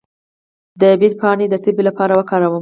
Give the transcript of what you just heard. د بید پاڼې د تبې لپاره وکاروئ